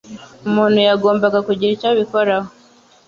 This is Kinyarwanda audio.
Umuntu yagombaga kugira icyo abikoraho.